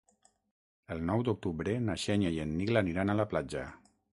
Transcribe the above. El nou d'octubre na Xènia i en Nil aniran a la platja.